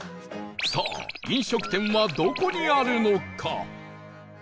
さあ飲食店はどこにあるのか？